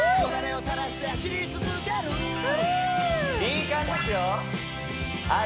いい感じですよあっ